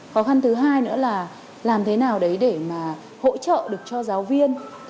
khó khăn thứ hai nữa là làm thế nào đấy để mà hỗ trợ được cho giáo viên